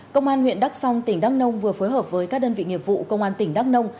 công an huyện đắk song tỉnh đắk nông vừa phối hợp với các đơn vị nghiệp vụ công an tỉnh đắk nông